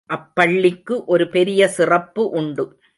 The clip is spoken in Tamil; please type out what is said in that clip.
அப்பள்ளிக்கு ஒரு பெரிய சிறப்பு உண்டு.